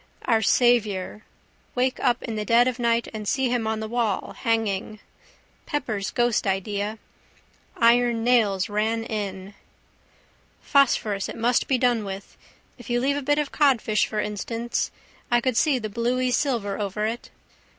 Our Saviour. Wake up in the dead of night and see him on the wall, hanging. Pepper's ghost idea. Iron Nails Ran In. Phosphorus it must be done with. If you leave a bit of codfish for instance. I could see the bluey silver over it.